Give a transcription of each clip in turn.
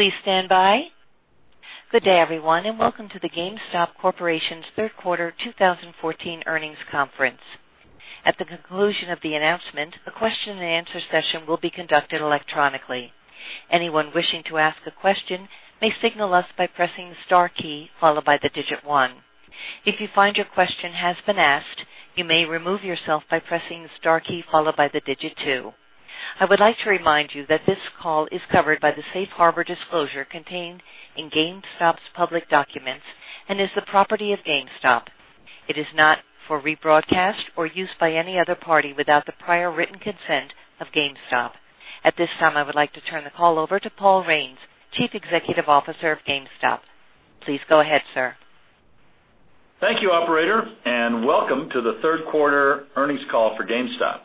Please stand by. Good day, everyone, and welcome to the GameStop Corporation's third quarter 2014 earnings conference. At the conclusion of the announcement, a question and answer session will be conducted electronically. Anyone wishing to ask a question may signal us by pressing the star key, followed by the digit 1. If you find your question has been asked, you may remove yourself by pressing the star key, followed by the digit 2. I would like to remind you that this call is covered by the Safe Harbor disclosure contained in GameStop's public documents and is the property of GameStop. It is not for rebroadcast or use by any other party without the prior written consent of GameStop. At this time, I would like to turn the call over to Paul Raines, Chief Executive Officer of GameStop. Please go ahead, sir. Thank you, Operator, and welcome to the third quarter earnings call for GameStop.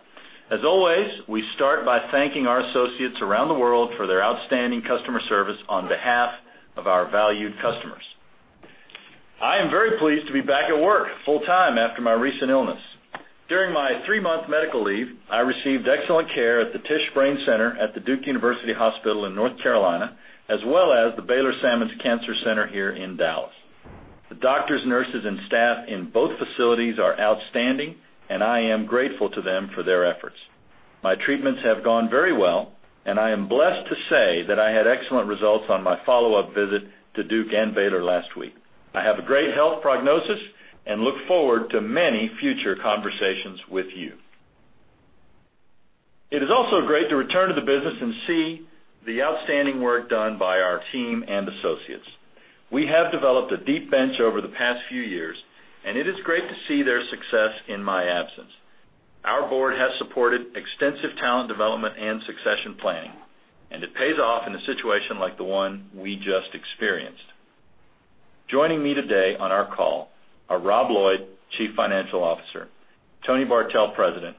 As always, we start by thanking our associates around the world for their outstanding customer service on behalf of our valued customers. I am very pleased to be back at work full time after my recent illness. During my three-month medical leave, I received excellent care at the Tisch Brain Center at the Duke University Hospital in North Carolina, as well as the Baylor Sammons Cancer Center here in Dallas. The doctors, nurses, and staff in both facilities are outstanding, and I am grateful to them for their efforts. My treatments have gone very well, and I am blessed to say that I had excellent results on my follow-up visit to Duke and Baylor last week. I have a great health prognosis and look forward to many future conversations with you. It is also great to return to the business and see the outstanding work done by our team and associates. We have developed a deep bench over the past few years, and it is great to see their success in my absence. Our board has supported extensive talent development and succession planning, and it pays off in a situation like the one we just experienced. Joining me today on our call are Rob Lloyd, Chief Financial Officer, Tony Bartel, President,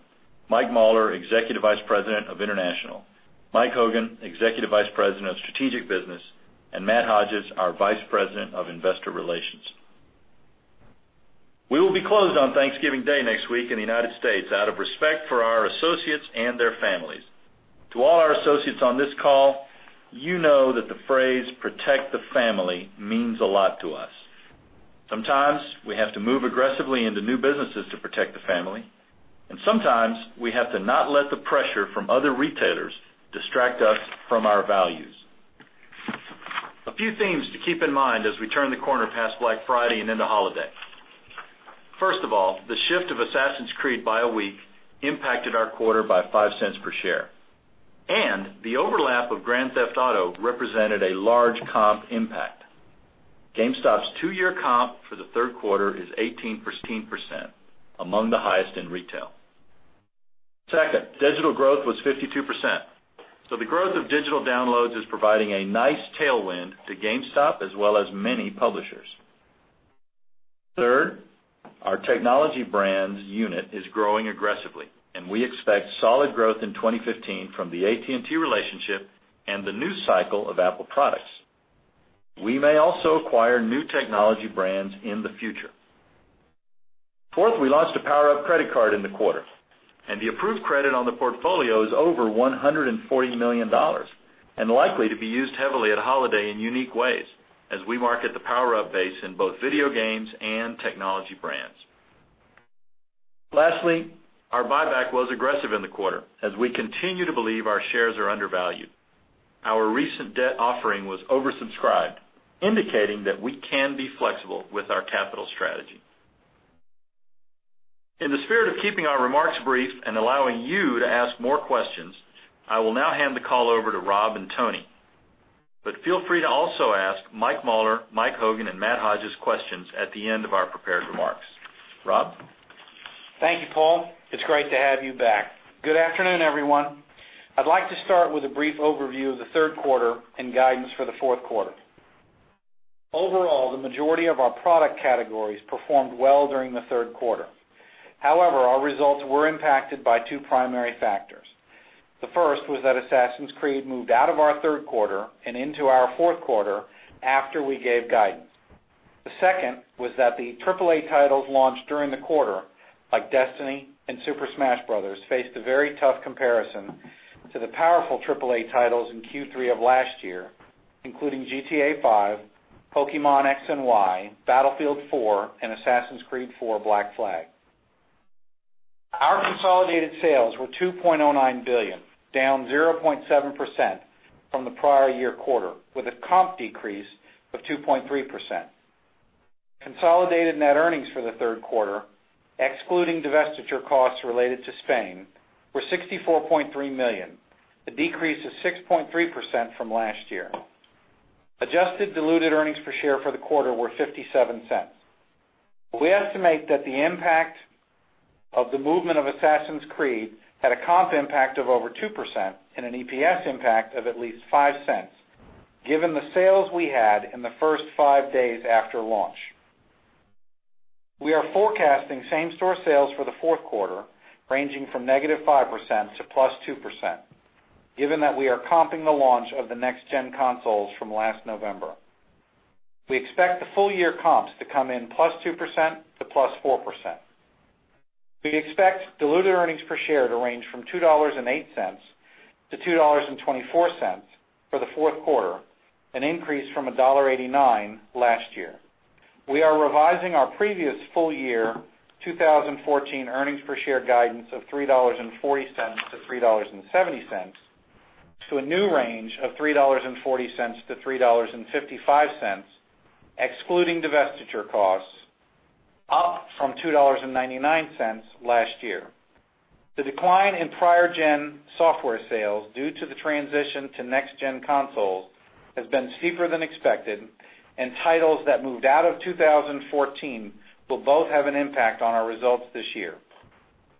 Mike Mauler, Executive Vice President of International, Mike Hogan, Executive Vice President of Strategic Business, and Matt Hodges, our Vice President of Investor Relations. We will be closed on Thanksgiving Day next week in the United States out of respect for our associates and their families. To all our associates on this call, you know that the phrase protect the family means a lot to us. Sometimes we have to move aggressively into new businesses to protect the family, and sometimes we have to not let the pressure from other retailers distract us from our values. A few things to keep in mind as we turn the corner past Black Friday and into holiday. First of all, the shift of Assassin's Creed by a week impacted our quarter by $0.05 per share, and the overlap of Grand Theft Auto represented a large comp impact. GameStop's two-year comp for the third quarter is 18%, among the highest in retail. Second, digital growth was 52%, so the growth of digital downloads is providing a nice tailwind to GameStop as well as many publishers. Third, our technology brands unit is growing aggressively, and we expect solid growth in 2015 from the AT&T relationship and the new cycle of Apple products. We may also acquire new technology brands in the future. Fourth, we launched a PowerUp credit card in the quarter, and the approved credit on the portfolio is over $140 million and likely to be used heavily at holiday in unique ways as we market the PowerUp base in both video games and technology brands. Lastly, our buyback was aggressive in the quarter as we continue to believe our shares are undervalued. Our recent debt offering was oversubscribed, indicating that we can be flexible with our capital strategy. In the spirit of keeping our remarks brief and allowing you to ask more questions, I will now hand the call over to Rob and Tony. Feel free to also ask Mike Mauler, Mike Hogan, and Matt Hodges questions at the end of our prepared remarks. Rob? Thank you, Paul. It's great to have you back. Good afternoon, everyone. I'd like to start with a brief overview of the third quarter and guidance for the fourth quarter. Overall, the majority of our product categories performed well during the third quarter. However, our results were impacted by two primary factors. The first was that Assassin's Creed moved out of our third quarter and into our fourth quarter after we gave guidance. The second was that the AAA titles launched during the quarter, like Destiny and Super Smash Bros., faced a very tough comparison to the powerful AAA titles in Q3 of last year, including GTA V, Pokémon X and Y, Battlefield 4, and Assassin's Creed IV: Black Flag. Our consolidated sales were $2.09 billion, down 0.7% from the prior year quarter, with a comp decrease of 2.3%. Consolidated net earnings for the third quarter, excluding divestiture costs related to Spain, were $64.3 million, a decrease of 6.3% from last year. Adjusted diluted earnings per share for the quarter were $0.57. We estimate that the impact of the movement of Assassin's Creed had a comp impact of over 2% and an EPS impact of at least $0.05, given the sales we had in the first five days after launch. We are forecasting same-store sales for the fourth quarter, ranging from negative 5% to +2%, given that we are comping the launch of the next-gen consoles from last November. We expect the full-year comps to come in +2% to +4%. We expect diluted earnings per share to range from $2.08 to $2.24 for the fourth quarter, an increase from $1.89 last year. We are revising our previous full-year 2014 earnings per share guidance of $3.40 to $3.70 to a new range of $3.40 to $3.55, excluding divestiture costs, up from $2.99 last year. The decline in prior-gen software sales due to the transition to next-gen consoles has been steeper than expected, and titles that moved out of 2014 will both have an impact on our results this year.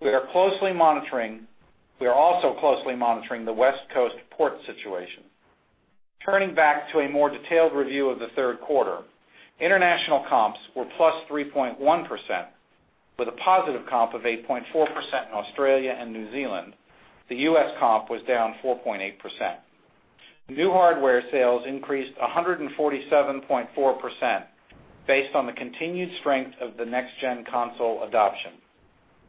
We are also closely monitoring the West Coast port situation. Turning back to a more detailed review of the third quarter, international comps were +3.1%, with a positive comp of 8.4% in Australia and New Zealand. The U.S. comp was down 4.8%. New hardware sales increased 147.4%, based on the continued strength of the next-gen console adoption.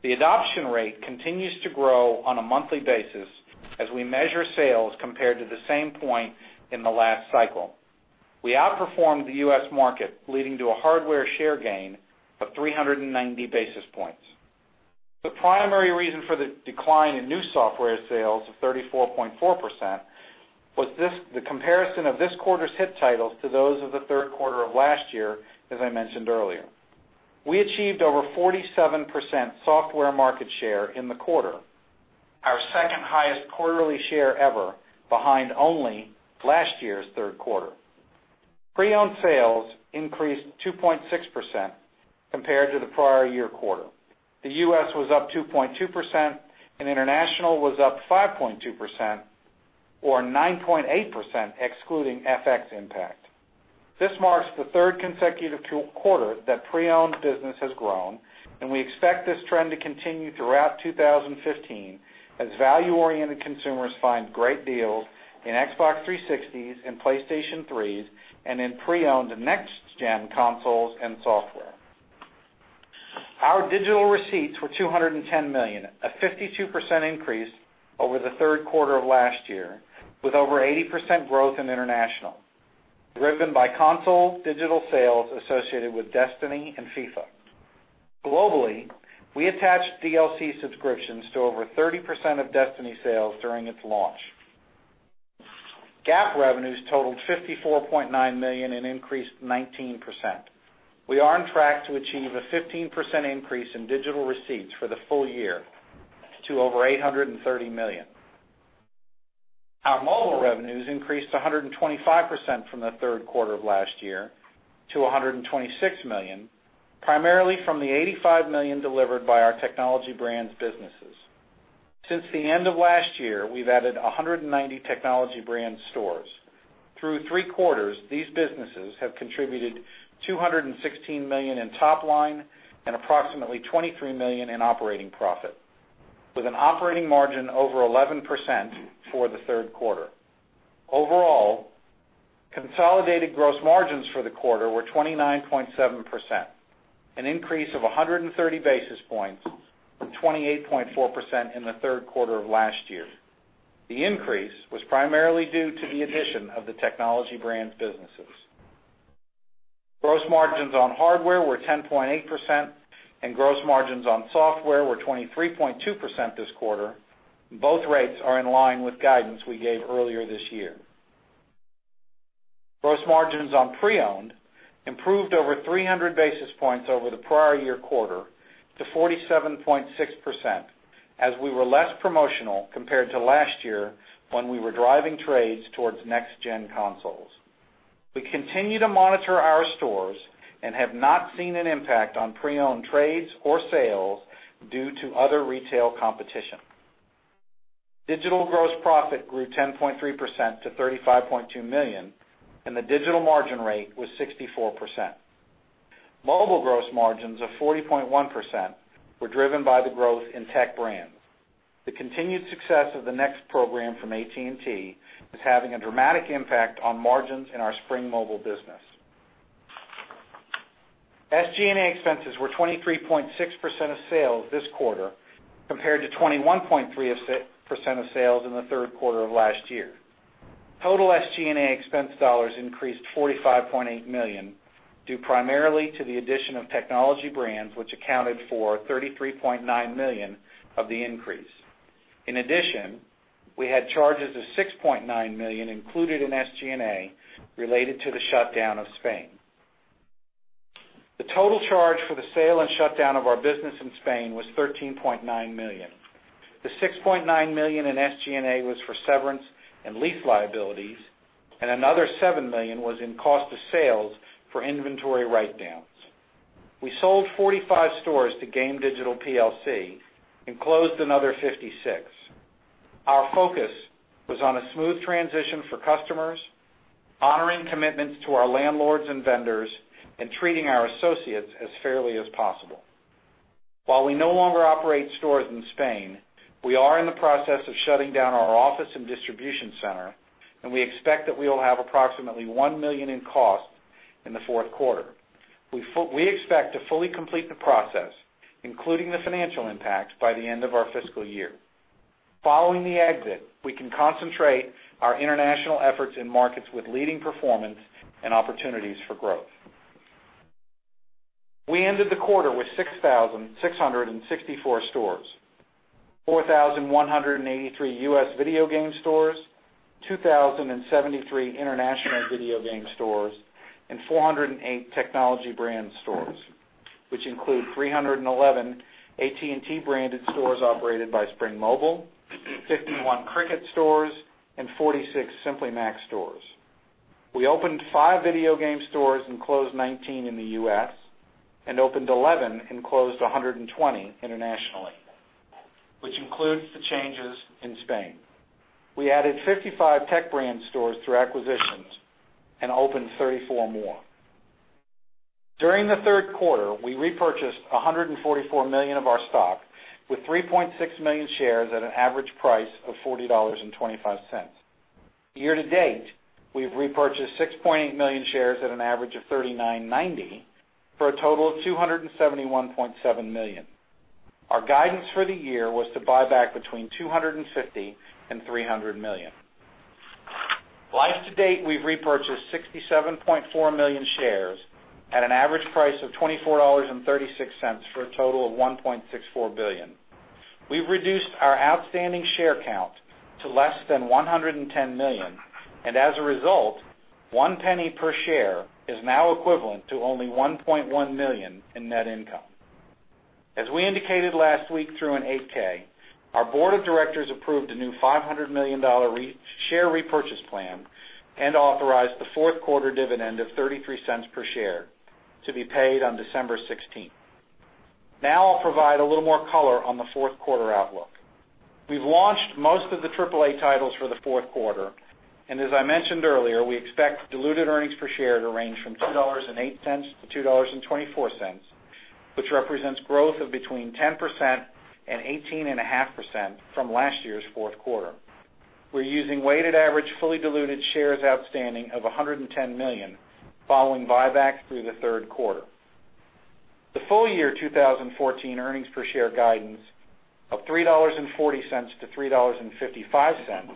The adoption rate continues to grow on a monthly basis as we measure sales compared to the same point in the last cycle. We outperformed the U.S. market, leading to a hardware share gain of 390 basis points. The primary reason for the decline in new software sales of 34.4% was the comparison of this quarter's hit titles to those of the third quarter of last year, as I mentioned earlier. We achieved over 47% software market share in the quarter, our second highest quarterly share ever, behind only last year's third quarter. Pre-owned sales increased 2.6% compared to the prior year quarter. The U.S. was up 2.2% and international was up 5.2%, or 9.8% excluding FX impact. This marks the third consecutive quarter that pre-owned business has grown, and we expect this trend to continue throughout 2015 as value-oriented consumers find great deals in Xbox 360s and PlayStation 3s, and in pre-owned next-gen consoles and software. Our digital receipts were $210 million, a 52% increase over the third quarter of last year, with over 80% growth in international, driven by console digital sales associated with Destiny and FIFA. Globally, we attached DLC subscriptions to over 30% of Destiny sales during its launch. GAAP revenues totaled $54.9 million and increased 19%. We are on track to achieve a 15% increase in digital receipts for the full year to over $830 million. Our mobile revenues increased 125% from the third quarter of last year to $126 million, primarily from the $85 million delivered by our Technology Brands businesses. Since the end of last year, we've added 190 Technology Brands stores. Through three quarters, these businesses have contributed $216 million in top line and approximately $23 million in operating profit, with an operating margin over 11% for the third quarter. Overall, consolidated gross margins for the quarter were 29.7%, an increase of 130 basis points from 28.4% in the third quarter of last year. The increase was primarily due to the addition of the Technology Brands businesses. Gross margins on hardware were 10.8%, and gross margins on software were 23.2% this quarter. Both rates are in line with guidance we gave earlier this year. Gross margins on pre-owned improved over 300 basis points over the prior year quarter to 47.6%, as we were less promotional compared to last year when we were driving trades towards next-gen consoles. We continue to monitor our stores and have not seen an impact on pre-owned trades or sales due to other retail competition. Digital gross profit grew 10.3% to $35.2 million, and the digital margin rate was 64%. Mobile gross margins of 40.1% were driven by the growth in Technology Brands. The continued success of the AT&T Next program from AT&T is having a dramatic impact on margins in our Spring Mobile business. SG&A expenses were 23.6% of sales this quarter, compared to 21.3% of sales in the third quarter of last year. Total SG&A expense dollars increased $45.8 million, due primarily to the addition of Technology Brands, which accounted for $33.9 million of the increase. In addition, we had charges of $6.9 million included in SG&A related to the shutdown of Spain. The total charge for the sale and shutdown of our business in Spain was $13.9 million. The $6.9 million in SG&A was for severance and lease liabilities, and another $7 million was in cost of sales for inventory write-downs. We sold 45 stores to GAME Digital plc and closed another 56. Our focus was on a smooth transition for customers, honoring commitments to our landlords and vendors, and treating our associates as fairly as possible. While we no longer operate stores in Spain, we are in the process of shutting down our office and distribution center, and we expect that we will have approximately $1 million in costs in the fourth quarter. We expect to fully complete the process, including the financial impacts, by the end of our fiscal year. Following the exit, we can concentrate our international efforts in markets with leading performance and opportunities for growth. We ended the quarter with 6,664 stores, 4,183 U.S. video game stores, 2,073 international video game stores, and 408 Technology Brands stores, which include 311 AT&T-branded stores operated by Spring Mobile, 51 Cricket stores, and 46 Simply Mac stores. We opened 5 video game stores and closed 19 in the U.S., and opened 11 and closed 120 internationally, which includes the changes in Spain. We added 55 Tech Brand stores through acquisitions and opened 34 more. During the third quarter, we repurchased $144 million of our stock with 3.6 million shares at an average price of $40.25. Year-to-date, we've repurchased 6.8 million shares at an average of $39.90 for a total of $271.7 million. Our guidance for the year was to buy back between $250 million and $300 million. Life-to-date, we've repurchased 67.4 million shares at an average price of $24.36 for a total of $1.64 billion. We've reduced our outstanding share count to less than 110 million, and as a result, $0.01 per share is now equivalent to only $1.1 million in net income. As we indicated last week through an 8-K, our board of directors approved a new $500 million share repurchase plan and authorized the fourth quarter dividend of $0.33 per share to be paid on December 16th. I'll provide a little more color on the fourth quarter outlook. We've launched most of the AAA titles for the fourth quarter, and as I mentioned earlier, we expect diluted earnings per share to range from $2.08-$2.24, which represents growth of between 10% and 18.5% from last year's fourth quarter. We're using weighted average fully diluted shares outstanding of 110 million, following buybacks through the third quarter. The full year 2014 earnings per share guidance of $3.40-$3.55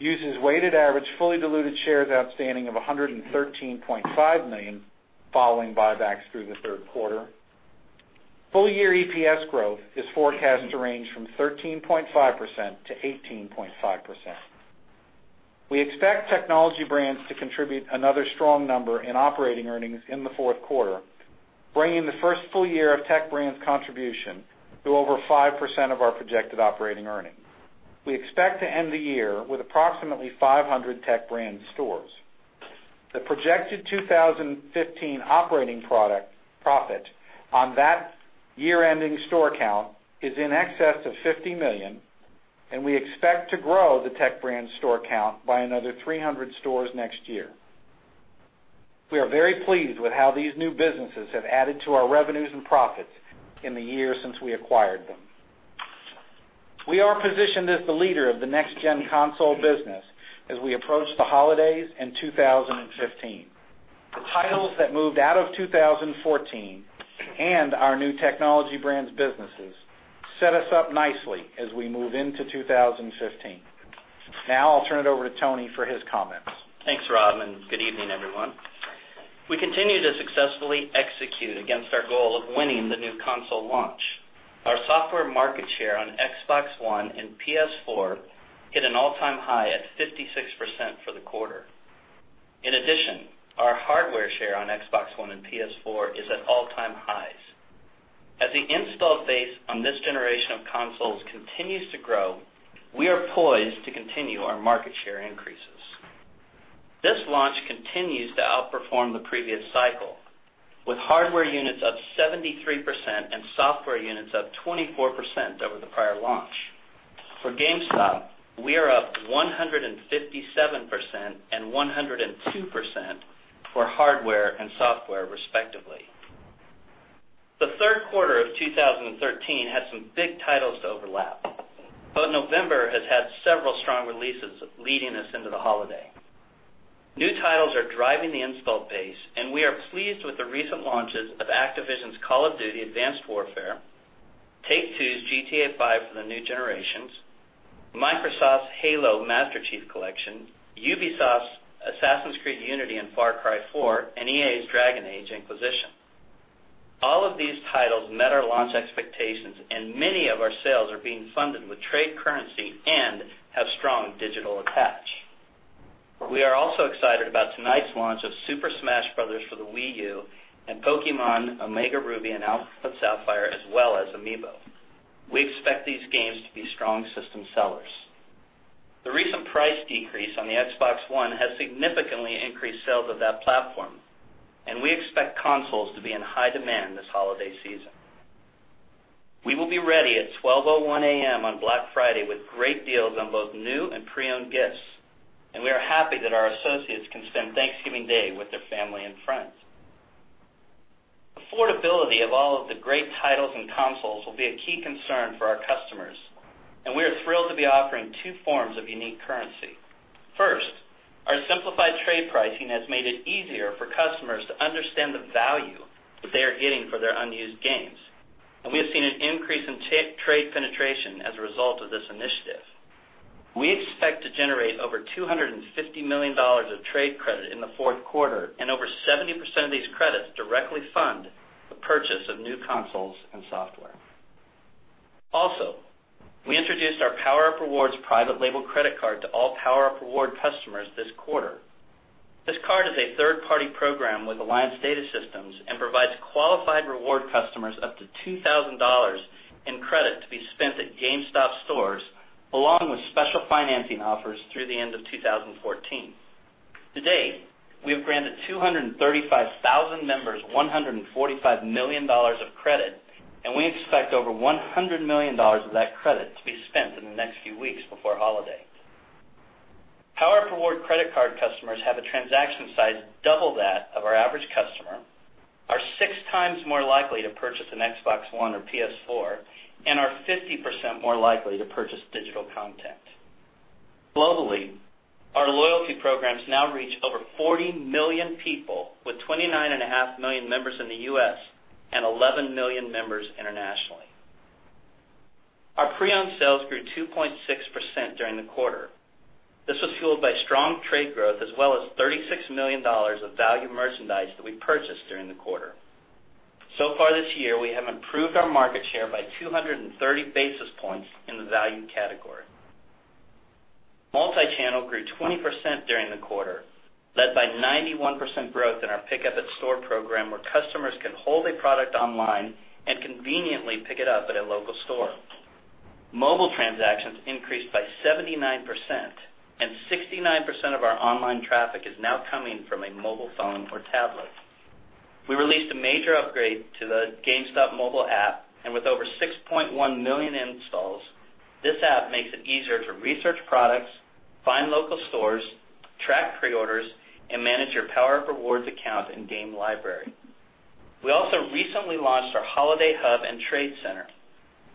uses weighted average fully diluted shares outstanding of 113.5 million, following buybacks through the third quarter. Full year EPS growth is forecast to range from 13.5%-18.5%. We expect Technology Brands to contribute another strong number in operating earnings in the fourth quarter, bringing the first full year of Tech Brands' contribution to over 5% of our projected operating earnings. We expect to end the year with approximately 500 Tech Brand stores. The projected 2015 operating profit on that year-ending store count is in excess of $50 million, and we expect to grow the Tech Brand store count by another 300 stores next year. We are very pleased with how these new businesses have added to our revenues and profits in the year since we acquired them. We are positioned as the leader of the next gen console business as we approach the holidays in 2015. The titles that moved out of 2014 and our new Technology Brands businesses set us up nicely as we move into 2015. Now I'll turn it over to Tony for his comments. Thanks, Rob, and good evening, everyone. We continue to successfully execute against our goal of winning the new console launch. Our software market share on Xbox One and PS4 hit an all-time high at 56% for the quarter. In addition, our hardware share on Xbox One and PS4 is at all-time highs. As the install base on this generation of consoles continues to grow, we are poised to continue our market share increases. This launch continues to outperform the previous cycle, with hardware units up 73% and software units up 24% over the prior launch. For GameStop, we are up 157% and 102% for hardware and software, respectively. The third quarter of 2013 had some big titles to overlap. November has had several strong releases leading us into the holiday. New titles are driving the install base. We are pleased with the recent launches of Activision's "Call of Duty: Advanced Warfare," Take-Two's "GTA V" for the new generations, Microsoft's "Halo: Master Chief Collection," Ubisoft's "Assassin's Creed Unity" and "Far Cry 4," and EA's "Dragon Age: Inquisition." All of these titles met our launch expectations. Many of our sales are being funded with trade currency and have strong digital attach. We are also excited about tonight's launch of "Super Smash Bros" for the Wii U and "Pokémon Omega Ruby" and "Alpha Sapphire," as well as amiibo. We expect these games to be strong system sellers. The recent price decrease on the Xbox One has significantly increased sales of that platform. We expect consoles to be in high demand this holiday season. We will be ready at 12:01 A.M. on Black Friday with great deals on both new and pre-owned gifts, and we are happy that our associates can spend Thanksgiving Day with their family and friends. Affordability of all of the great titles and consoles will be a key concern for our customers, and we are thrilled to be offering two forms of unique currency. First, our simplified trade pricing has made it easier for customers to understand the value that they are getting for their unused games. We have seen an increase in trade penetration as a result of this initiative. We expect to generate over $250 million of trade credit in the fourth quarter, and over 70% of these credits directly fund the purchase of new consoles and software. We introduced our PowerUp Rewards private label credit card to all PowerUp Rewards customers this quarter. This card is a third-party program with Alliance Data Systems and provides qualified PowerUp Rewards customers up to $2,000 in credit to be spent at GameStop stores, along with special financing offers through the end of 2014. To date, we have granted 235,000 members $145 million of credit, and we expect over $100 million of that credit to be spent in the next few weeks before holiday. PowerUp Rewards credit card customers have a transaction size double that of our average customer, are six times more likely to purchase an Xbox One or PS4, and are 50% more likely to purchase digital content. Globally, our loyalty programs now reach over 40 million people, with 29.5 million members in the U.S. and 11 million members internationally. Our pre-owned sales grew 2.6% during the quarter. This was fueled by strong trade growth as well as $36 million of value merchandise that we purchased during the quarter. So far this year, we have improved our market share by 230 basis points in the value category. Multi-channel grew 20% during the quarter, led by 91% growth in our Pickup In Store program, where customers can hold a product online and conveniently pick it up at a local store. Mobile transactions increased by 79%, and 69% of our online traffic is now coming from a mobile phone or tablet. We released a major upgrade to the GameStop mobile app, and with over 6.1 million installs, this app makes it easier to research products, find local stores, track pre-orders, and manage your PowerUp Rewards account and game library. We also recently launched our Holiday Hub and Trade Center,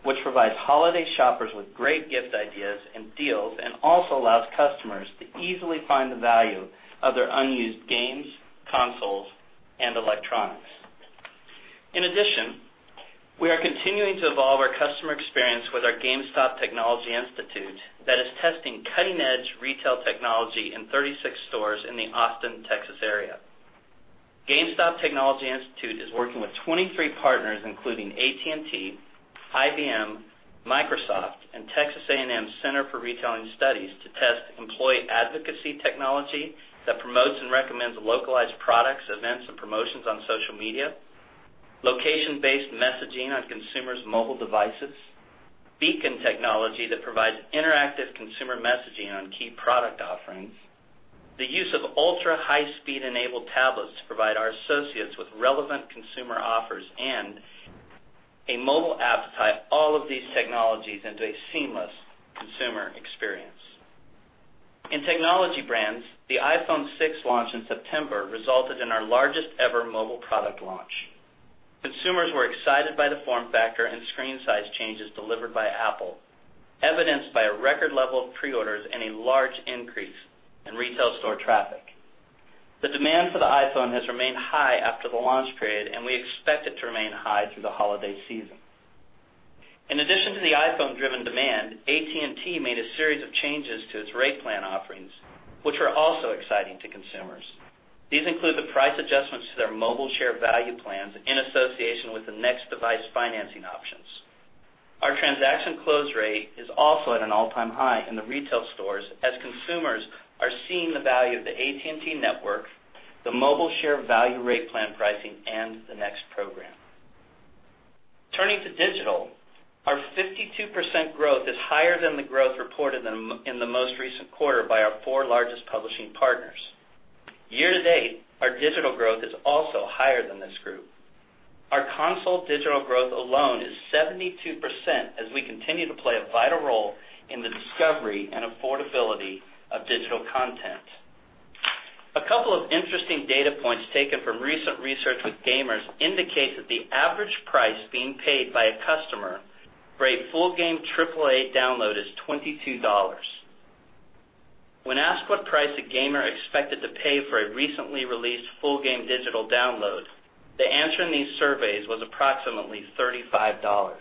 which provides holiday shoppers with great gift ideas and deals and also allows customers to easily find the value of their unused games, consoles, and electronics. In addition, we are continuing to evolve our customer experience with our GameStop Technology Institute that is testing cutting-edge retail technology in 36 stores in the Austin, Texas area. GameStop Technology Institute is working with 23 partners, including AT&T, IBM, Microsoft, and Texas A&M's Center for Retailing Studies, to test employee advocacy technology that promotes and recommends localized products, events, and promotions on social media, location-based messaging on consumers' mobile devices, beacon technology that provides interactive consumer messaging on key product offerings, the use of ultra-high speed-enabled tablets to provide our associates with relevant consumer offers, and a mobile app to tie all of these technologies into a seamless consumer experience. In technology brands, the iPhone 6 launch in September resulted in our largest ever mobile product launch. Consumers were excited by the form factor and screen size changes delivered by Apple, evidenced by a record level of pre-orders and a large increase in retail store traffic. The demand for the iPhone has remained high after the launch period, and we expect it to remain high through the holiday season. In addition to the iPhone-driven demand, AT&T made a series of changes to its rate plan offerings, which are also exciting to consumers. These include the price adjustments to their Mobile Share value plans in association with the AT&T Next device financing options. Our transaction close rate is also at an all-time high in the retail stores as consumers are seeing the value of the AT&T network, the Mobile Share value rate plan pricing, and the AT&T Next program. Turning to digital, our 52% growth is higher than the growth reported in the most recent quarter by our four largest publishing partners. Year to date, our digital growth is also higher than this group. Our console digital growth alone is 72% as we continue to play a vital role in the discovery and affordability of digital content. A couple of interesting data points taken from recent research with gamers indicates that the average price being paid by a customer for a full game AAA download is $22. When asked what price a gamer expected to pay for a recently released full game digital download, the answer in these surveys was approximately $35.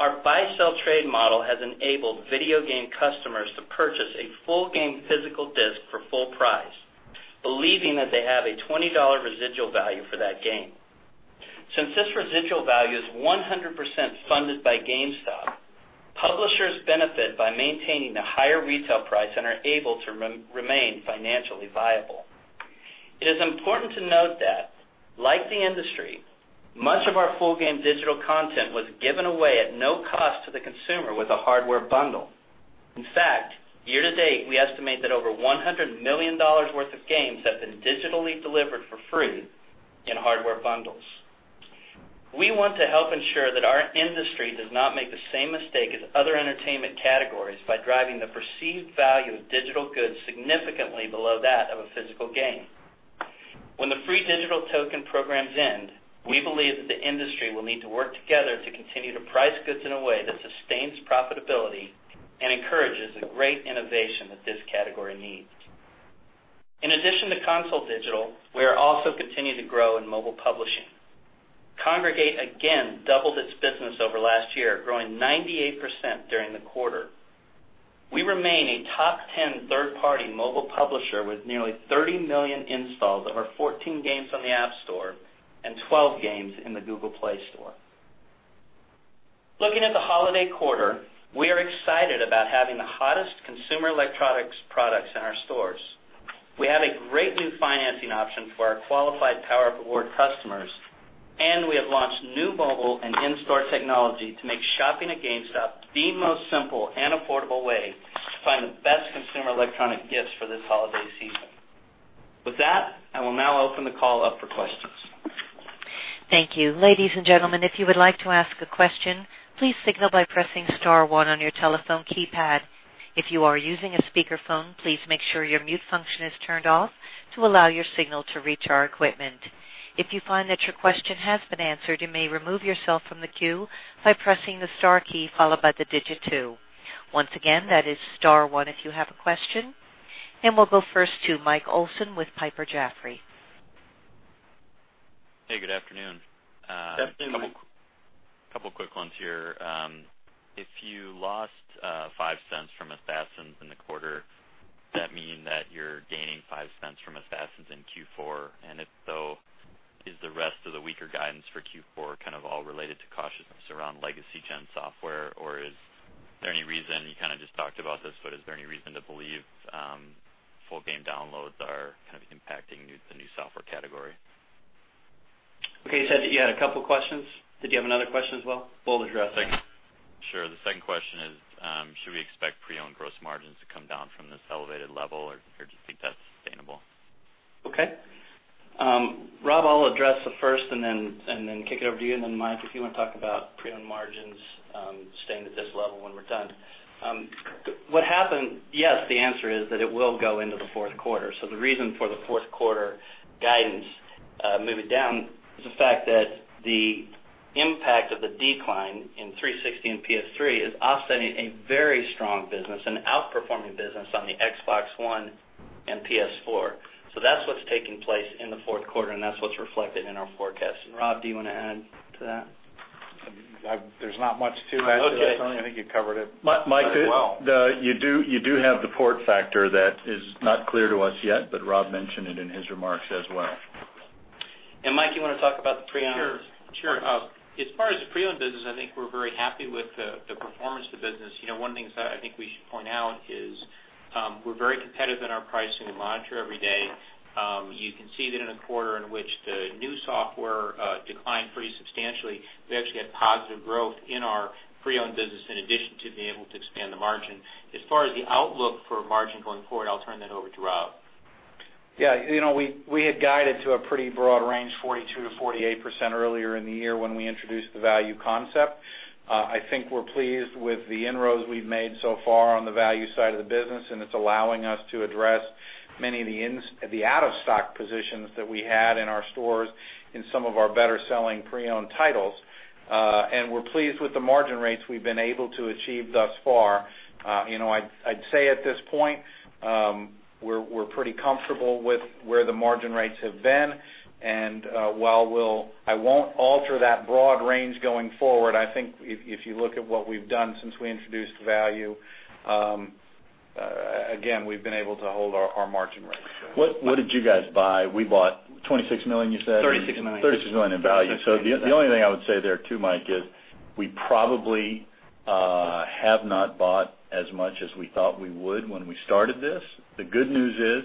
Our buy/sell trade model has enabled video game customers to purchase a full game physical disc for full price, believing that they have a $20 residual value for that game. Since this residual value is 100% funded by GameStop, publishers benefit by maintaining a higher retail price and are able to remain financially viable. It is important to note that, like the industry, much of our full game digital content was given away at no cost to the consumer with a hardware bundle. In fact, year to date, we estimate that over $100 million worth of games have been digitally delivered for free in hardware bundles. We want to help ensure that our industry does not make the same mistake as other entertainment categories by driving the perceived value of digital goods significantly below that of a physical game. When the free digital token programs end, we believe that the industry will need to work together to continue to price goods in a way that sustains profitability and encourages the great innovation that this category needs. In addition to console digital, we are also continuing to grow in mobile publishing. Kongregate again doubled its business over last year, growing 98% during the quarter. We remain a top 10 third-party mobile publisher with nearly 30 million installs of our 14 games on the App Store and 12 games in the Google Play Store. Looking at the holiday quarter, we are excited about having the hottest consumer electronics products in our stores. We have a great new financing option for our qualified PowerUp Rewards customers. We have launched new mobile and in-store technology to make shopping at GameStop the most simple and affordable way to find the best consumer electronic gifts for this holiday season. With that, I will now open the call up for questions. Thank you. Ladies and gentlemen, if you would like to ask a question, please signal by pressing star one on your telephone keypad. If you are using a speakerphone, please make sure your mute function is turned off to allow your signal to reach our equipment. If you find that your question has been answered, you may remove yourself from the queue by pressing the star key followed by the digit 2. Once again, that is star one if you have a question. We'll go first to Mike Olson with Piper Jaffray. Hey, good afternoon. Good afternoon, Mike. A couple of quick ones here. If you lost $0.05 from Assassin in the quarter, does that mean that you're gaining $0.05 from Assassin in Q4? If so, is the rest of the weaker guidance for Q4 kind of all related to cautiousness around legacy-gen software? Is there any reason, you kind of just talked about this, but is there any reason to believe full game downloads are kind of impacting the new software category? Okay. You said that you had a couple questions. Did you have another question as well? We'll address them. Sure. The second question is, should we expect pre-owned gross margins to come down from this elevated level, or do you think that's sustainable? Okay. Rob, I'll address the first and then kick it over to you, and then Mike, if you want to talk about pre-owned margins staying at this level when we're done. What happened, yes, the answer is that it will go into the fourth quarter. The reason for the fourth quarter guidance moving down is the fact that the impact of the decline in 360 and PS3 is offsetting a very strong business, an outperforming business on the Xbox One and PS4. That's what's taking place in the fourth quarter, and that's what's reflected in our forecast. Rob, do you want to add to that? There's not much to add to that, Tony. Okay. I think you covered it very well. Mike, you do have the port factor that is not clear to us yet, but Rob mentioned it in his remarks as well. Mike, you want to talk about the pre-owned? Sure. As far as the pre-owned business, I think we're very happy with the performance of the business. One of the things that I think we should point out is we're very competitive in our pricing and monitor every day. You can see that in a quarter in which the new software declined pretty substantially, we actually had positive growth in our pre-owned business in addition to being able to expand the margin. As far as the outlook for margin going forward, I'll turn that over to Rob. Yeah. We had guided to a pretty broad range, 42%-48% earlier in the year when we introduced the value concept. I think we're pleased with the inroads we've made so far on the value side of the business, and it's allowing us to address many of the out-of-stock positions that we had in our stores in some of our better-selling pre-owned titles. We're pleased with the margin rates we've been able to achieve thus far. I'd say at this point, we're pretty comfortable with where the margin rates have been. While I won't alter that broad range going forward, I think if you look at what we've done since we introduced value, again, we've been able to hold our margin rates. What did you guys buy? We bought $26 million, you said? $36 million. $36 million in value. The only thing I would say there too, Mike, is we probably have not bought as much as we thought we would when we started this. The good news is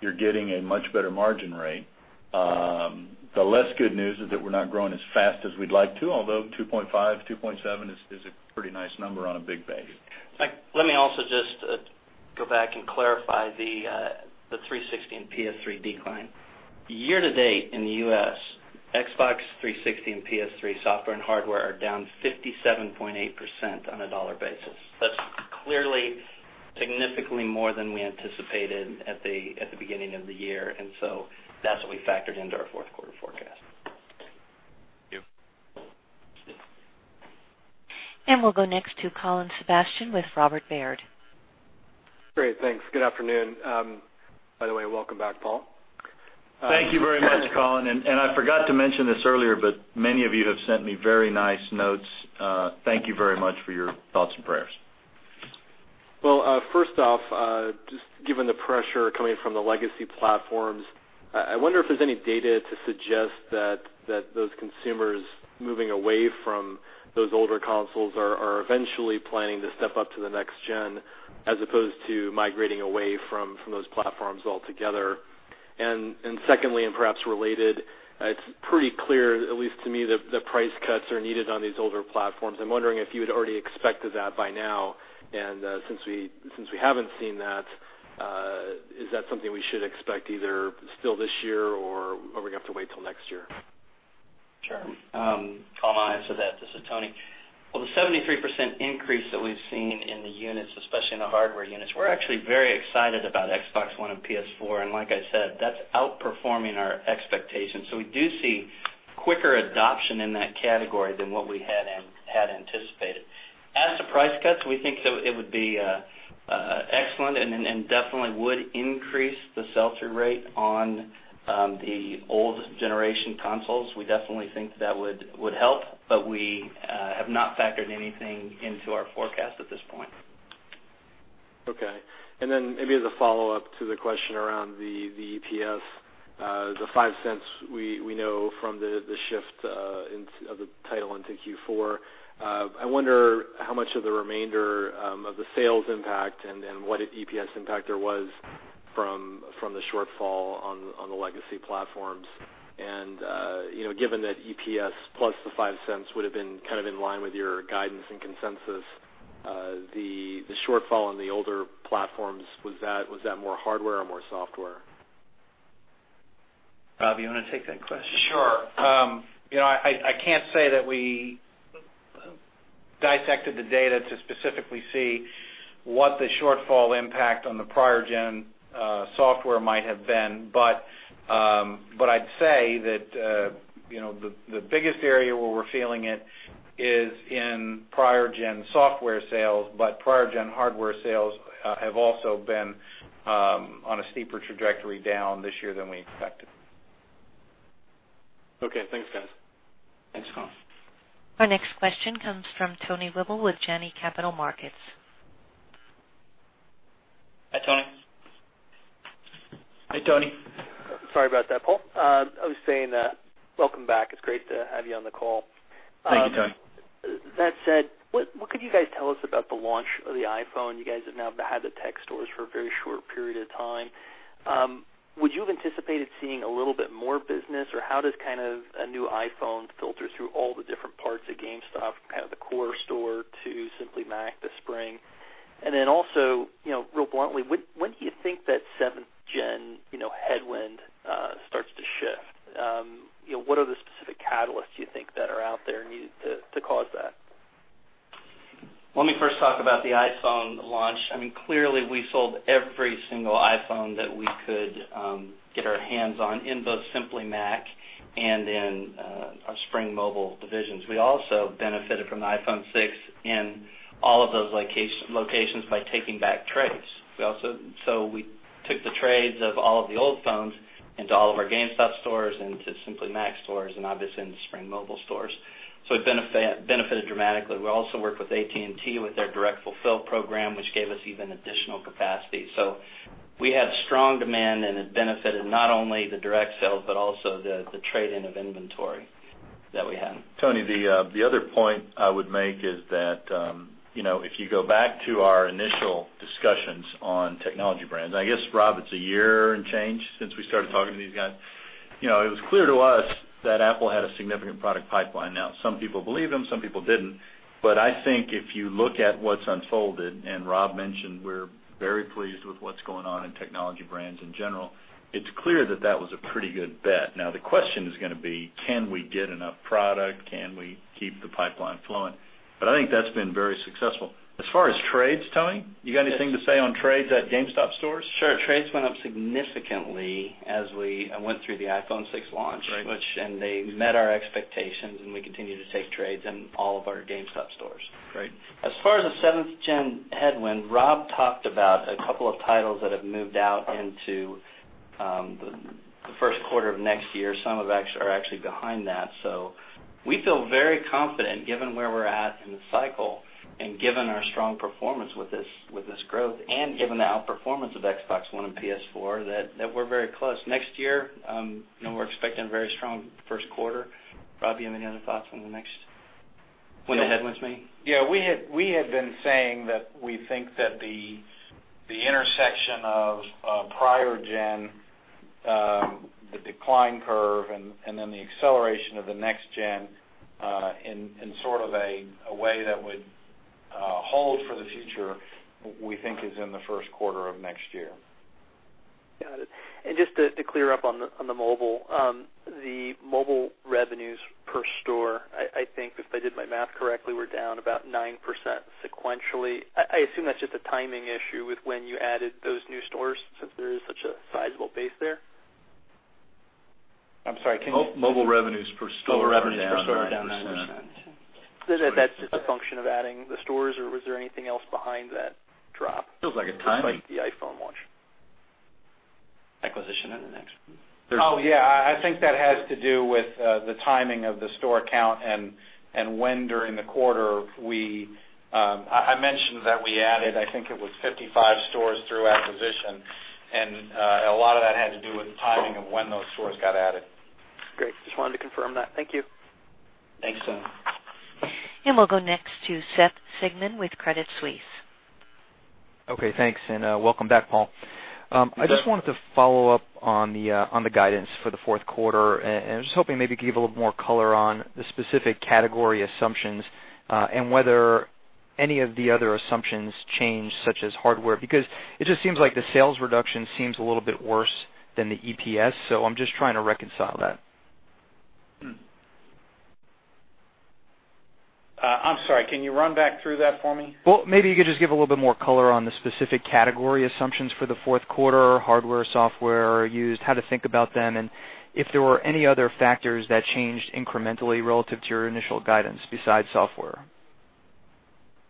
you're getting a much better margin rate. The less good news is that we're not growing as fast as we'd like to, although 2.5%, 2.7% is a pretty nice number on a big base. Mike, let me also just go back and clarify the Xbox 360 and PS3 decline. Year to date in the U.S., Xbox 360 and PS3 software and hardware are down 57.8% on a dollar basis. That's clearly significantly more than we anticipated at the beginning of the year. That's what we factored into our fourth quarter forecast. Thank you. We'll go next to Colin Sebastian with Robert W. Baird. Great. Thanks. Good afternoon. By the way, welcome back, Paul. Thank you very much, Colin. I forgot to mention this earlier, many of you have sent me very nice notes. Thank you very much for your thoughts and prayers. Well, first off, just given the pressure coming from the legacy platforms, I wonder if there's any data to suggest that those consumers moving away from those older consoles are eventually planning to step up to the next gen, as opposed to migrating away from those platforms altogether. Secondly, perhaps related, it's pretty clear, at least to me, that price cuts are needed on these older platforms. I'm wondering if you had already expected that by now, since we haven't seen that, is that something we should expect either still this year, or are we going to have to wait till next year? Sure. I'll answer that. This is Tony. Well, the 73% increase that we've seen in the units, especially in the hardware units, we're actually very excited about Xbox One and PS4, like I said, that's outperforming our expectations. We do see quicker adoption in that category than what we had anticipated. As to price cuts, we think it would be excellent and definitely would increase the sell-through rate on the old generation consoles. We definitely think that would help, we have not factored anything into our forecast at this point. Okay. Then maybe as a follow-up to the question around the EPS, the $0.05 we know from the shift of the title into Q4. I wonder how much of the remainder of the sales impact and what EPS impact there was from the shortfall on the legacy platforms. Given that EPS plus the $0.05 would've been kind of in line with your guidance and consensus, the shortfall in the older platforms, was that more hardware or more software? Rob, you want to take that question? Sure. I can't say that we dissected the data to specifically see what the shortfall impact on the prior gen software might have been. I'd say that the biggest area where we're feeling it is in prior gen software sales, prior gen hardware sales have also been on a steeper trajectory down this year than we expected. Okay. Thanks, guys. Thanks, Colin. Our next question comes from Tony Wible with Janney Montgomery Scott. Hi, Tony. Hi, Tony. Sorry about that, Paul. I was saying welcome back. It is great to have you on the call. Thank you, Tony. That said, what could you guys tell us about the launch of the iPhone? You guys have now had the tech stores for a very short period of time. Would you have anticipated seeing a little bit more business, or how does a new iPhone filter through all the different parts of GameStop, kind of the core store to Simply Mac, Spring Mobile? And then also, real bluntly, when do you think that seventh-gen headwind starts to shift? What are the specific catalysts you think that are out there needed to cause that? Let me first talk about the iPhone launch. Clearly, we sold every single iPhone that we could get our hands on in both Simply Mac and in our Spring Mobile divisions. We also benefited from the iPhone 6 in all of those locations by taking back trades. We took the trades of all of the old phones into all of our GameStop stores, into Simply Mac stores, and obviously into Spring Mobile stores. It benefited dramatically. We also worked with AT&T with their direct fulfill program, which gave us even additional capacity. We had strong demand, and it benefited not only the direct sales but also the trade-in of inventory that we had. Tony, the other point I would make is that, if you go back to our initial discussions on technology brands, I guess, Rob, it's a year and change since we started talking to these guys. It was clear to us that Apple had a significant product pipeline. Some people believed them, some people didn't. I think if you look at what's unfolded, and Rob mentioned we're very pleased with what's going on in technology brands in general, it's clear that that was a pretty good bet. The question is going to be, can we get enough product? Can we keep the pipeline flowing? I think that's been very successful. As far as trades, Tony, you got anything to say on trades at GameStop stores? Sure. Trades went up significantly as we went through the iPhone 6 launch. Right. They met our expectations, and we continue to take trades in all of our GameStop stores. Great. As far as the 7th-gen headwind, Rob talked about a couple of titles that have moved out into the first quarter of next year. Some are actually behind that. We feel very confident given where we're at in the cycle and given our strong performance with this growth and given the outperformance of Xbox One and PlayStation 4, that we're very close. Next year, we're expecting a very strong first quarter. Rob, do you have any other thoughts on the headwinds, maybe? Yeah. We had been saying that we think that the intersection of prior gen, the decline curve, and then the acceleration of the next gen in sort of a way that would hold for the future, we think is in the first quarter of next year. Got it. Just to clear up on the mobile. The mobile revenues per store, I think if I did my math correctly, were down about 9% sequentially. I assume that's just a timing issue with when you added those new stores, since there is such a sizable base there. I'm sorry, can you- Mobile revenues per store are down 9%. Store revenues per store are down 9%. That's just a function of adding the stores or was there anything else behind that drop- Feels like a timing. besides the iPhone launch. Acquisition in the next. Oh, yeah. I think that has to do with the timing of the store count and when during the quarter I mentioned that we added, I think it was 55 stores through acquisition, and a lot of that had to do with the timing of when those stores got added. Great. Just wanted to confirm that. Thank you. Thanks, Tony. We'll go next to Seth Sigman with Credit Suisse. Okay, thanks, welcome back, Paul. You bet. I just wanted to follow up on the guidance for the fourth quarter, and I was just hoping maybe you could give a little more color on the specific category assumptions, and whether any of the other assumptions change, such as hardware? It just seems like the sales reduction seems a little bit worse than the EPS. I'm just trying to reconcile that. Can you run back through that for me? Well, maybe you could just give a little bit more color on the specific category assumptions for the fourth quarter, hardware, software, or used, how to think about them, and if there were any other factors that changed incrementally relative to your initial guidance besides software.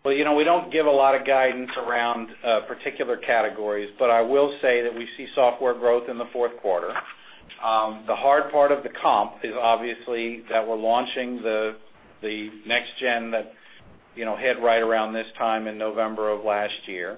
Well, we don't give a lot of guidance around particular categories, but I will say that we see software growth in the fourth quarter. The hard part of the comp is obviously that we're launching the next gen that hit right around this time in November of last year.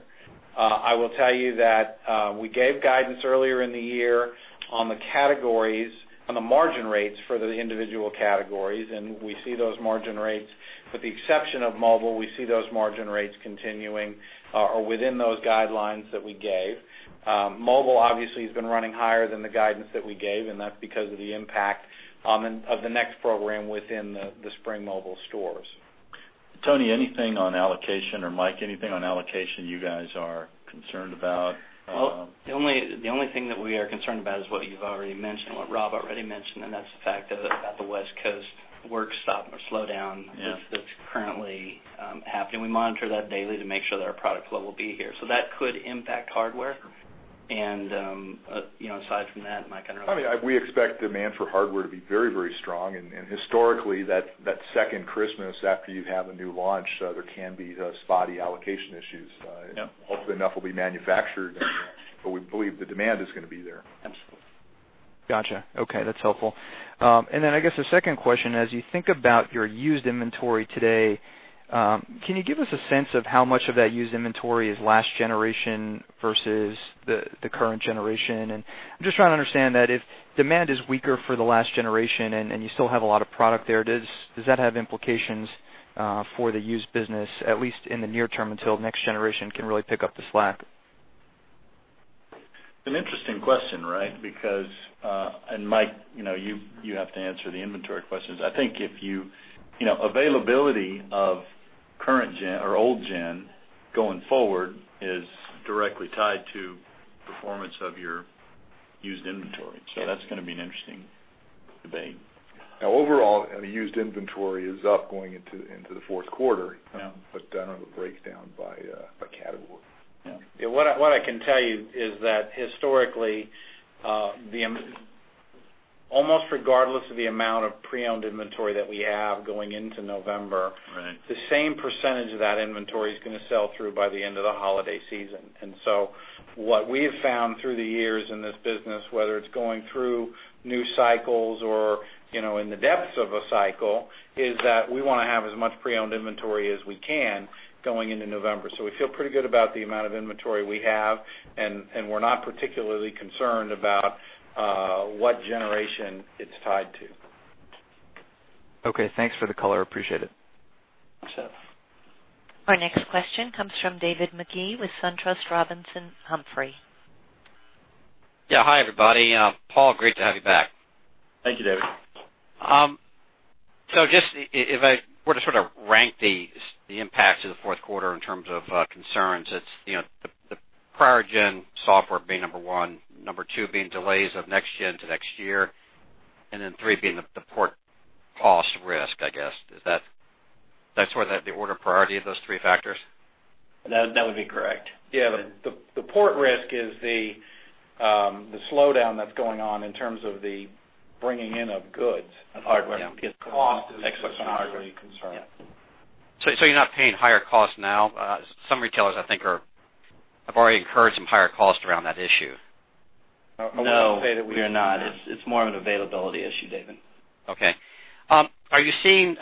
I will tell you that we gave guidance earlier in the year on the categories, on the margin rates for the individual categories, and with the exception of mobile, we see those margin rates continuing or within those guidelines that we gave. Mobile obviously has been running higher than the guidance that we gave, and that's because of the impact of the AT&T Next program within the Spring Mobile stores. Tony, anything on allocation, or Mike, anything on allocation you guys are concerned about? The only thing that we are concerned about is what you've already mentioned, what Rob already mentioned, and that's the fact about the West Coast work stop or slowdown that's currently happening. We monitor that daily to make sure that our product flow will be here. That could impact hardware. Aside from that, Mike can- We expect demand for hardware to be very strong, historically, that second Christmas after you have a new launch, there can be those spotty allocation issues. Yep. Hopefully enough will be manufactured, we believe the demand is going to be there. Absolutely. Got you. Okay, that's helpful. I guess the second question, as you think about your used inventory today, can you give us a sense of how much of that used inventory is last generation versus the current generation? I'm just trying to understand that if demand is weaker for the last generation and you still have a lot of product there, does that have implications for the used business, at least in the near term until next generation can really pick up the slack? An interesting question, right? Mike, you have to answer the inventory questions. I think availability of current gen or old gen going forward is directly tied to performance of your used inventory. That's going to be an interesting debate. Overall, the used inventory is up going into the fourth quarter. Yeah. I don't have a breakdown by category. Yeah. What I can tell you is that historically, almost regardless of the amount of pre-owned inventory that we have going into November. Right The same percentage of that inventory is going to sell through by the end of the holiday season. What we have found through the years in this business, whether it's going through new cycles or in the depths of a cycle, is that we want to have as much pre-owned inventory as we can going into November. We feel pretty good about the amount of inventory we have, and we're not particularly concerned about what generation it's tied to. Okay, thanks for the color. Appreciate it. Yes, sir. Our next question comes from David Magee with SunTrust Robinson Humphrey. Yeah. Hi, everybody. Paul, great to have you back. Thank you, David. Just if I were to sort of rank the impacts of the fourth quarter in terms of concerns, it's the prior gen software being number one, number two being delays of next gen to next year, and then three being the port cost risk, I guess. Is that sort of the order priority of those three factors? That would be correct. Yeah. The port risk is the slowdown that's going on in terms of the bringing in of goods- Of hardware because cost is a secondary concern. Yeah. You're not paying higher costs now? Some retailers I think have already incurred some higher costs around that issue. No. I wouldn't say that we are not. It's more of an availability issue, David. Okay. Are you seeing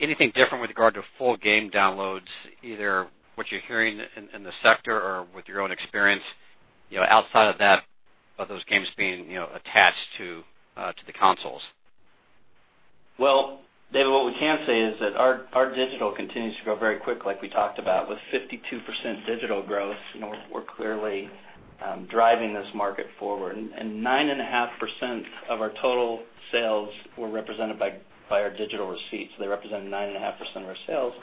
anything different with regard to full game downloads, either what you're hearing in the sector or with your own experience, outside of those games being attached to the consoles? Well, David, what we can say is that our digital continues to grow very quick, like we talked about, with 52% digital growth. We're clearly driving this market forward. 9.5% of our total sales were represented by our digital receipts. They represented 9.5% of our sales.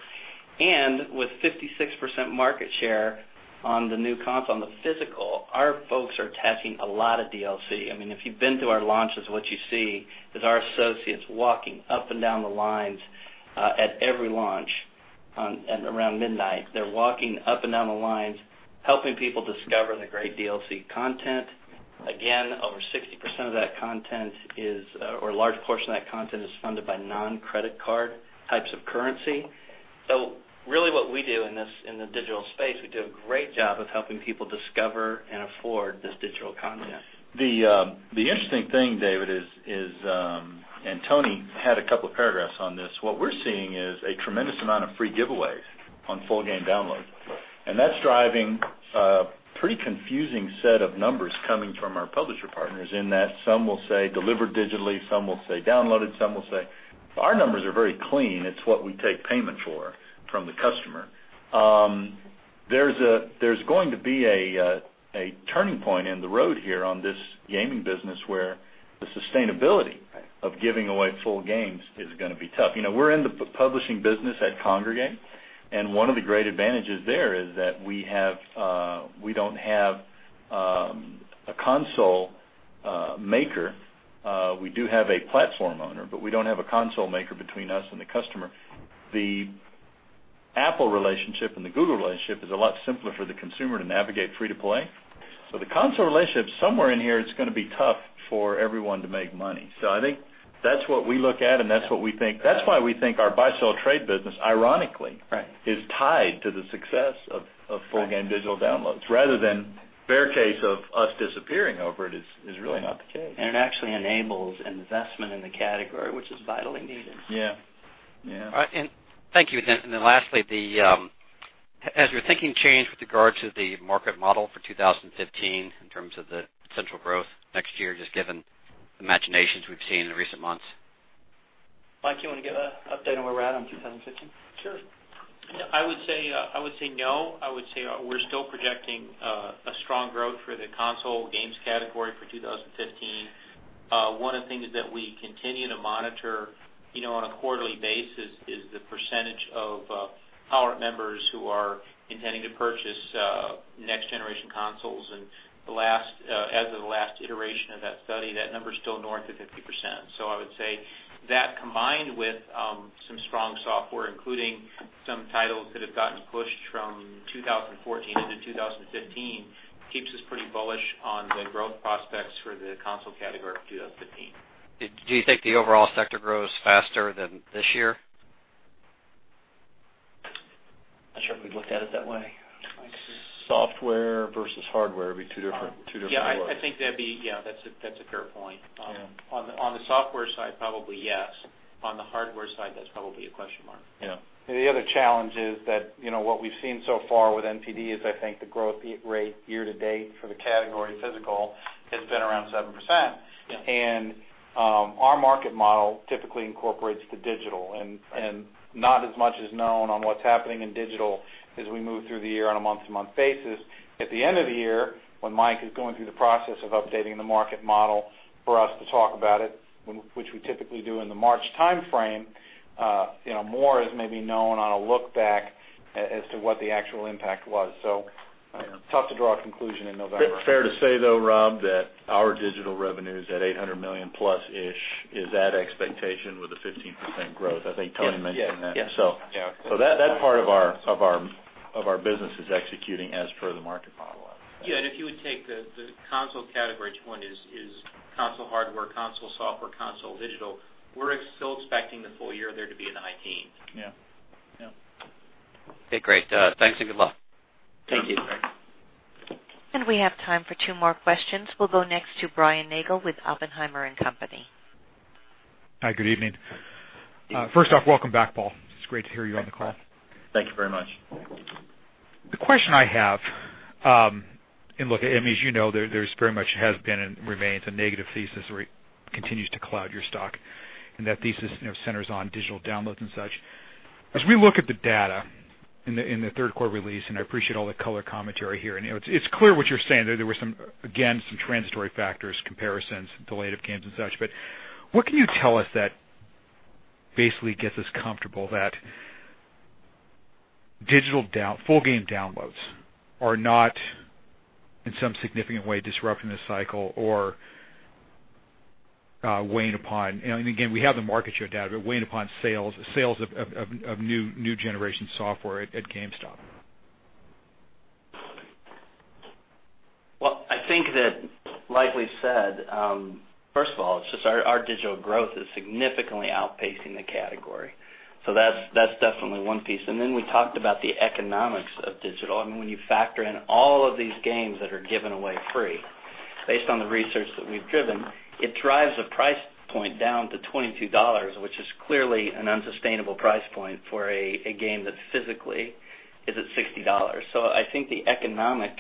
With 56% market share on the new console, on the physical, our folks are attaching a lot of DLC. If you've been to our launches, what you see is our associates walking up and down the lines at every launch around midnight. They're walking up and down the lines, helping people discover the great DLC content. Again, over 60% of that content, or a large portion of that content is funded by non-credit card types of currency. Really what we do in the digital space, we do a great job of helping people discover and afford this digital content. The interesting thing, David, and Tony had a couple of paragraphs on this, what we're seeing is a tremendous amount of free giveaways on full game downloads, and that's driving a pretty confusing set of numbers coming from our publisher partners in that some will say delivered digitally, some will say downloaded. Our numbers are very clean. It's what we take payment for from the customer. Yeah. There's going to be a turning point in the road here on this gaming business where the sustainability of giving away full games is going to be tough. We're in the publishing business at Kongregate, and one of the great advantages there is that we don't have a console maker. We do have a platform owner, but we don't have a console maker between us and the customer. The Apple relationship and the Google relationship is a lot simpler for the consumer to navigate free to play. The console relationship somewhere in here, it's going to be tough for everyone to make money. I think that's what we look at, and that's why we think our buy-sell trade business ironically is tied to the success of full game digital downloads rather than bear case of us disappearing over it is really not the case. It actually enables investment in the category, which is vitally needed. Yeah. Thank you. Lastly, has your thinking changed with regards to the market model for 2015 in terms of the central growth next year, just given the machinations we've seen in recent months? Mike, you want to give an update on where we're at on 2015? Sure. I would say no. I would say we're still projecting a strong growth for the console games category for 2015. One of the things that we continue to monitor on a quarterly basis is the percentage of our members who are intending to purchase next generation consoles. As of the last iteration of that study, that number is still north of 50%. I would say that combined with some strong software, including some titles that have gotten pushed from 2014 into 2015, keeps us pretty bullish on the growth prospects for the console category for 2015. Do you think the overall sector grows faster than this year? Not sure if we've looked at it that way. Software versus hardware, it'd be two different worlds. Yeah, I think that's a fair point. On the software side, probably yes. On the hardware side, that's probably a question mark. Yeah. The other challenge is that, what we've seen so far with NPD Group is I think the growth rate year-to-date for the category physical has been around 7%. Yeah. Our market model typically incorporates the digital. Not as much is known on what's happening in digital as we move through the year on a month-to-month basis. At the end of the year, when Mike is going through the process of updating the market model for us to talk about it, which we typically do in the March timeframe, more is maybe known on a look back as to what the actual impact was. Tough to draw a conclusion in November. Fair to say though, Rob, that our digital revenues at $800 million plus-ish, is at expectation with a 15% growth. I think Tony mentioned that. That part of our business is executing as per the market model. Yeah. If you would take the console category, which one is console hardware, console software, console digital, we're still expecting the full year there to be in the high teens. Yeah. Okay, great. Thanks and good luck. Thank you. We have time for two more questions. We'll go next to Brian Nagel with Oppenheimer & Co.. Hi, good evening. First off, welcome back, Paul. It's great to hear you on the call. Thank you. Thank you very much. The question I have, look, as you know, there very much has been and remains a negative thesis where it continues to cloud your stock. That thesis centers on digital downloads and such. As we look at the data in the third quarter release, I appreciate all the color commentary here, it's clear what you're saying. There were, again, some transitory factors, comparisons, delay of games and such, what can you tell us that basically gets us comfortable that full game downloads are not, in some significant way, disrupting the cycle or weighing upon, again, we have the market share data, weighing upon sales of new generation software at GameStop? I think that like we said, first of all, it's just our digital growth is significantly outpacing the category. That's definitely one piece. Then we talked about the economics of digital. When you factor in all of these games that are given away free, based on the research that we've driven, it drives the price point down to $22, which is clearly an unsustainable price point for a game that physically is at $60. I think the economic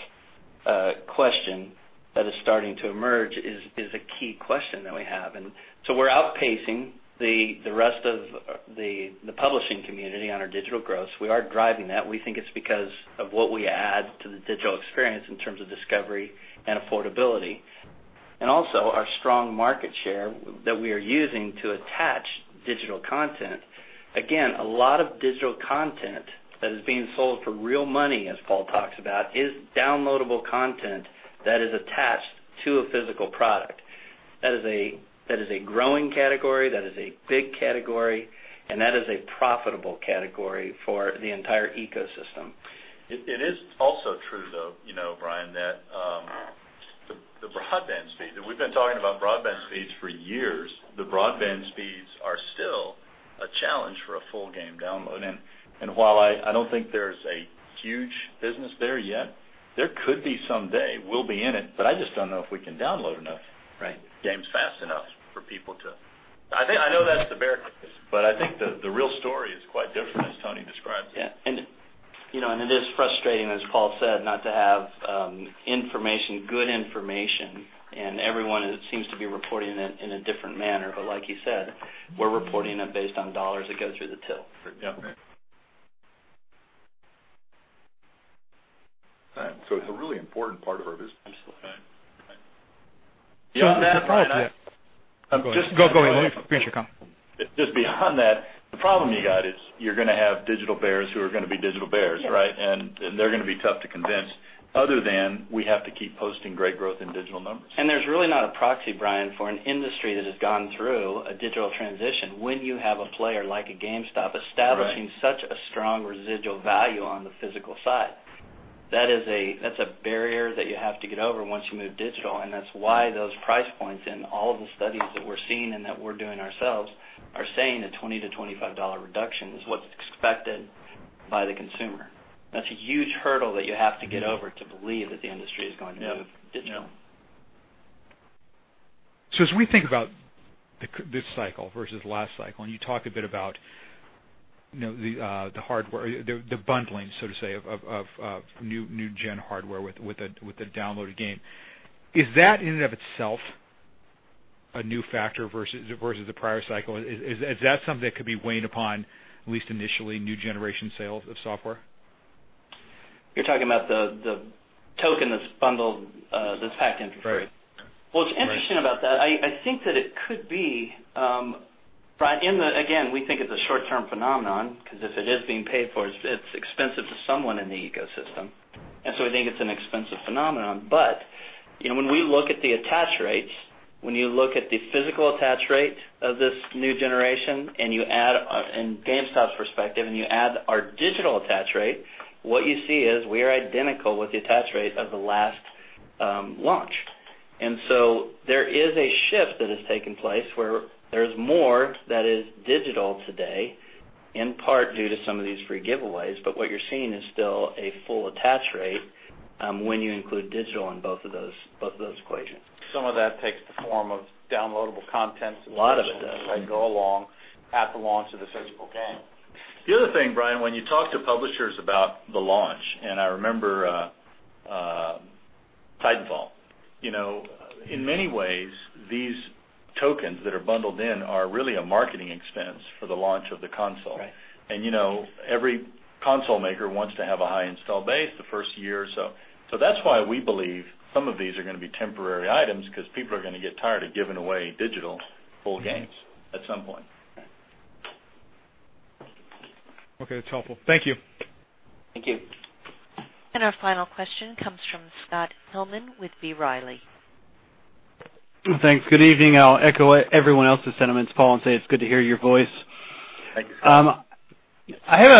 question that is starting to emerge is a key question that we have. We're outpacing the rest of the publishing community on our digital growth. We are driving that. We think it's because of what we add to the digital experience in terms of discovery and affordability. Also our strong market share that we are using to attach digital content. A lot of digital content that is being sold for real money, as Paul talks about, is downloadable content that is attached to a physical product. That is a growing category, that is a big category, and that is a profitable category for the entire ecosystem. It is also true, though, Brian, that the broadband speed, and we've been talking about broadband speeds for years. The broadband speeds are still a challenge for a full game download. While I don't think there's a huge business there yet, there could be someday. We'll be in it, but I just don't know if we can download enough games fast enough for people to I know that's the bear case, but I think the real story is quite different as Tony describes it. Yeah. It is frustrating, as Paul said, not to have good information, and everyone seems to be reporting it in a different manner. Like you said, we're reporting it based on dollars that go through the till. Yeah. It's a really important part of our business. Just beyond that, the problem you got is you're going to have digital bears who are going to be digital bears. They're going to be tough to convince other than we have to keep posting great growth in digital numbers. There's really not a proxy, Brian, for an industry that has gone through a digital transition when you have a player like a GameStop establishing such a strong residual value on the physical side. That's a barrier that you have to get over once you move digital. That's why those price points in all of the studies that we're seeing and that we're doing ourselves are saying that $20-$25 reduction is what's expected by the consumer. That's a huge hurdle that you have to get over to believe that the industry is going to move digital. Yeah. As we think about this cycle versus last cycle, and you talked a bit about the hardware, the bundling, so to say, of new gen hardware with a downloaded game. Is that in and of itself a new factor versus the prior cycle? Is that something that could be weighed upon, at least initially, new generation sales of software? You're talking about the token that's bundled, that's packed in for free? What's interesting about that, I think that it could be, Brian. Again, we think it's a short-term phenomenon, because if it is being paid for, it's expensive to someone in the ecosystem. We think it's an expensive phenomenon. When we look at the attach rates, when you look at the physical attach rate of this new generation, and GameStop's perspective, and you add our digital attach rate, what you see is we are identical with the attach rate of the last launch. There is a shift that has taken place where there's more that is digital today, in part due to some of these free giveaways. What you're seeing is still a full attach rate when you include digital in both of those equations. Some of that takes the form of downloadable content. A lot of it does. as I go along at the launch of the physical game. The other thing, Brian, when you talk to publishers about the launch, I remember Titanfall. In many ways, these tokens that are bundled in are really a marketing expense for the launch of the console. Right. Every console maker wants to have a high install base the first year or so. That's why we believe some of these are going to be temporary items because people are going to get tired of giving away digital full games at some point. Okay. That's helpful. Thank you. Thank you. Our final question comes from Scott Tilghman with B. Riley. Thanks. Good evening. I'll echo everyone else's sentiments, Paul, and say it's good to hear your voice. Thank you, Scott. I have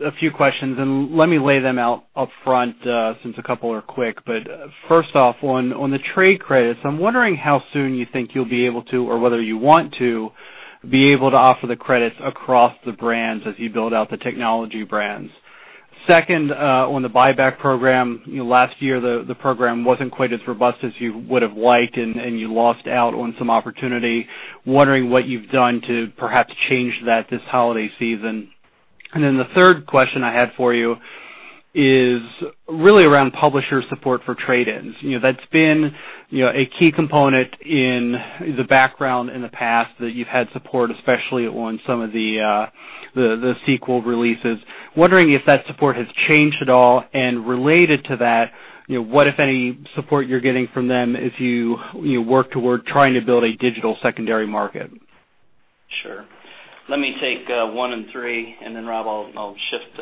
a few questions. Let me lay them out upfront since a couple are quick. First off, on the trade credits, I'm wondering how soon you think you'll be able to, or whether you want to, be able to offer the credits across the brands as you build out the technology brands. Second, on the buyback program, last year, the program wasn't quite as robust as you would have liked, and you lost out on some opportunity. Wondering what you've done to perhaps change that this holiday season. The third question I had for you is really around publisher support for trade-ins. That's been a key component in the background in the past that you've had support, especially on some of the sequel releases. Wondering if that support has changed at all, and related to that, what, if any, support you're getting from them as you work toward trying to build a digital secondary market. Sure. Let me take one and three. Rob, I'll shift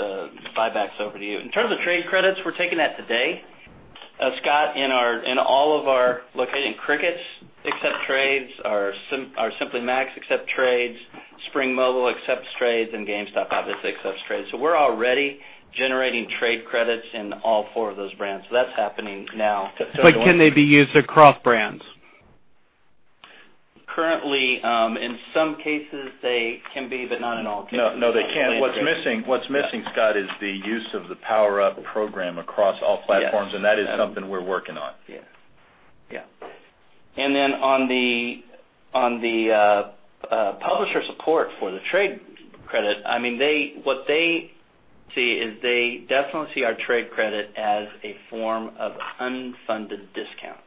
buybacks over to you. In terms of trade credits, we're taking that today, Scott, in all of our locations. Cricket accepts trades, our Simply Mac accepts trades, Spring Mobile accepts trades, and GameStop obviously accepts trades. We're already generating trade credits in all four of those brands. That's happening now. Can they be used across brands? Currently, in some cases, they can be, but not in all cases. No, they can't. What's missing, Scott, is the use of the PowerUp Rewards across all platforms, That is something we're working on. Yes. On the publisher support for the trade credit, what they see is they definitely see our trade credit as a form of unfunded discount.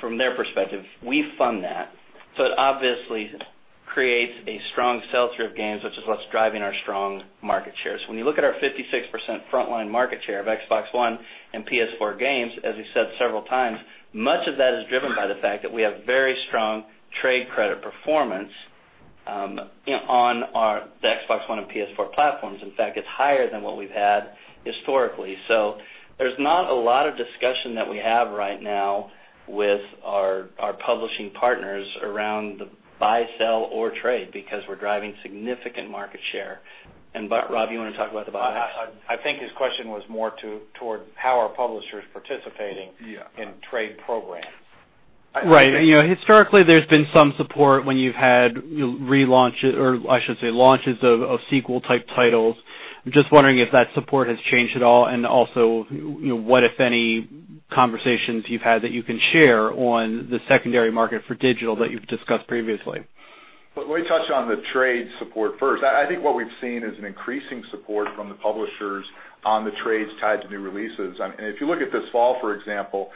From their perspective, we fund that. It obviously creates a strong sell-through of games, which is what's driving our strong market shares. When you look at our 56% frontline market share of Xbox One and PS4 games, as we said several times, much of that is driven by the fact that we have very strong trade credit performance on the Xbox One and PS4 platforms. In fact, it's higher than what we've had historically. There's not a lot of discussion that we have right now with our publishing partners around the buy, sell, or trade because we're driving significant market share. Rob, you want to talk about the buybacks? I think his question was more toward how are publishers participating. Yeah in trade programs. Right. Historically, there's been some support when you've had relaunches, or I should say, launches of sequel-type titles. I'm just wondering if that support has changed at all, and also, what, if any, conversations you've had that you can share on the secondary market for digital that you've discussed previously. Let me touch on the trade support first. I think what we've seen is an increasing support from the publishers on the trades tied to new releases. If you look at this fall, for example,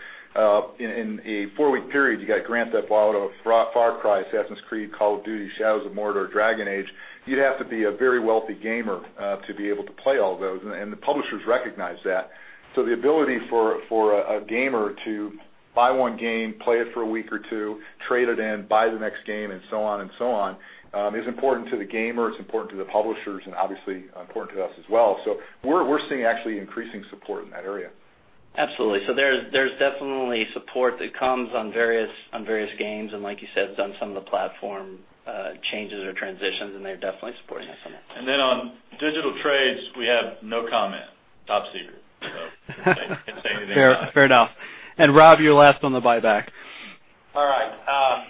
in a four-week period, you got Grand Theft Auto, Far Cry, Assassin's Creed, Call of Duty, Shadow of Mordor, Dragon Age, you'd have to be a very wealthy gamer to be able to play all of those, and the publishers recognize that. The ability for a gamer to buy one game, play it for a week or two, trade it in, buy the next game, and so on and so on, is important to the gamer, it's important to the publishers, and obviously important to us as well. We're seeing actually increasing support in that area. Absolutely. There's definitely support that comes on various games, and like you said, on some of the platform changes or transitions, and they're definitely supporting us on that. On digital trades, we have no comment. Top secret. Can't say anything about it. Fair enough. Rob, you're last on the buyback. All right.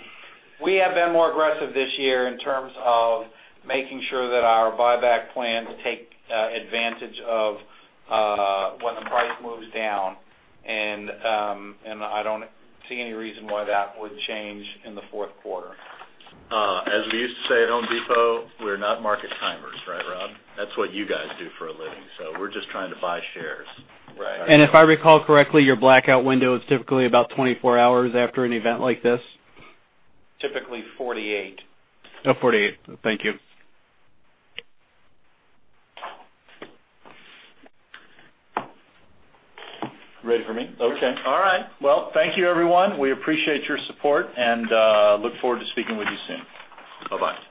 We have been more aggressive this year in terms of making sure that our buyback plans take advantage of when the price moves down, and I don't see any reason why that would change in the fourth quarter. As we used to say at Home Depot, we're not market timers. Right, Rob? That's what you guys do for a living. We're just trying to buy shares. Right. If I recall correctly, your blackout window is typically about 24 hours after an event like this? Typically 48. Oh, 48. Thank you. Ready for me? Okay. All right. Well, thank you everyone. We appreciate your support, and look forward to speaking with you soon. Bye-bye.